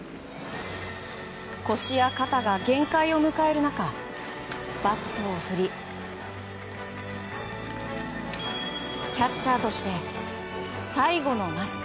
腰や肩が限界を迎える中バットを振りキャッチャーとして最後のマスク。